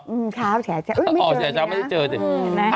อืมขาวแฉะแฉะอุ๊ยไม่เจอเลยนะอ๋อแฉะแฉะไม่ได้เจอเลยนะ